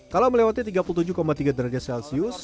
kalau melewati tiga puluh tujuh tiga derajat celcius